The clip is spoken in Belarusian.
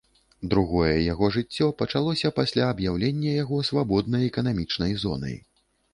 Другое яго жыццё пачалося пасля аб'яўлення яго свабоднай эканамічнай зонай.